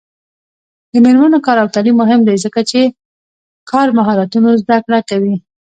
د میرمنو کار او تعلیم مهم دی ځکه چې کار مهارتونو زدکړه کوي.